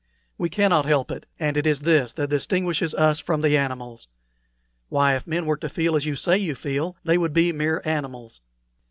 We cannot help it; and it is this that distinguishes us from the animals. Why, if men were to feel as you say you feel, they would be mere animals.